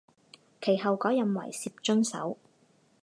其后改任为摄津守。